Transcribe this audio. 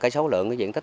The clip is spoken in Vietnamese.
số lượng diện tích